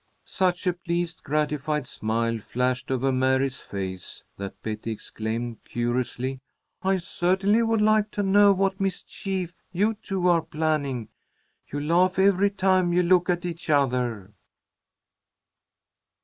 Such a pleased, gratified smile flashed over Mary's face that Betty exclaimed, curiously: "I certainly would like to know what mischief you two are planning. You laugh every time you look at each other."